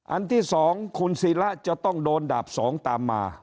อันที่๒คุณศิระจะต้องโดนดาบ๒ตามมา